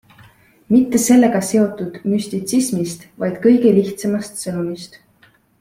Mitte sellega seotud müstitsismist, vaid kõige lihtsamast sõnumist.